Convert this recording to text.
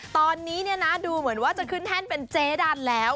ตอนนี้เนี่ยนะดูเหมือนว่าจะขึ้นแท่นเป็นเจ๊ดันแล้ว